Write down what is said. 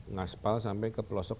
ngaspal sampai ke pelosok